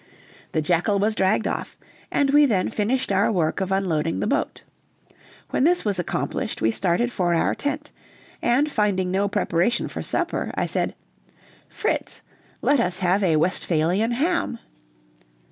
The jackal was dragged off, and we then finished our work of unloading our boat. When this was accomplished we started for our tent, and finding no preparation for supper, I said, "Fritz, let us have a Westphalian ham."